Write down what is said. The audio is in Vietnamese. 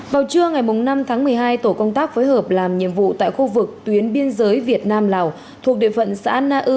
vào trưa ngày năm tháng một mươi hai tổ công tác phối hợp làm nhiệm vụ tại khu vực tuyến biên giới việt nam lào thuộc địa phận xã na ư